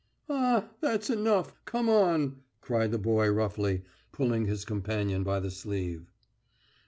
"Ah, that's enough. Come on!" cried the boy roughly, pulling his companion by the sleeve.